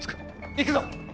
行くぞ。